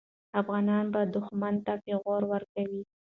افغانان به دښمن ته پېغور ورکوي.